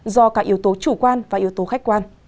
do cả yếu tố chủ quan và yếu tố khách quan